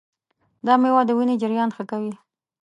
دا مېوه د وینې جریان ښه کوي.